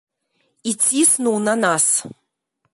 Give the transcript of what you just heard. І ціснуў на нас.